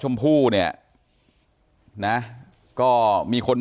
การแก้เคล็ดบางอย่างแค่นั้นเอง